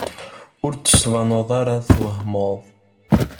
Ur d-tbaneḍ ara twehmeḍ.